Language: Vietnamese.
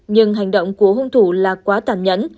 nhưng hành động của hung thủ là quá tàn nhẫn